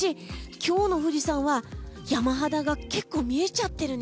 今日の富士山は山肌が結構見えちゃってるね。